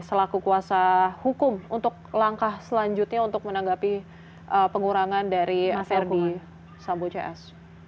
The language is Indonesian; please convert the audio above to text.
selaku kuasa hukum untuk langkah selanjutnya untuk menanggapi pengurangan dari verdi sambo cs